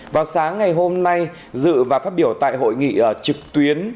vào sáng ngày hôm nay dự và phát biểu tại hội nghị trực tuyến